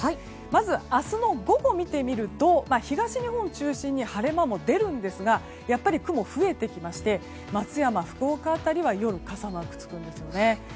まず、明日の午後を見てみますと東日本を中心に晴れ間が出ますがやっぱり雲が増えてきまして松山、福岡辺りは夜、傘マークがつくんですね。